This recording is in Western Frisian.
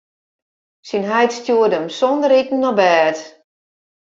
Syn heit stjoerde him sonder iten op bêd.